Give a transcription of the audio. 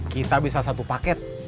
kita bisa satu paket